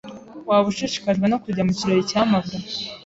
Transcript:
Waba ushishikajwe no kujya mu kirori cya mabwa?